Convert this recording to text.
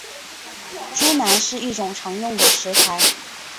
猪腩是一种常用的食材。